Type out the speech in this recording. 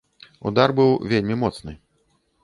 Удар быў вельмі моцны.